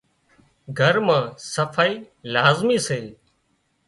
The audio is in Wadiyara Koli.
گھر مان صفائي لازمي سي